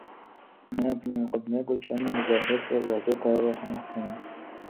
میں اپنے مقدمے کو چند مظاہر سے واضح کر رہا ہوں۔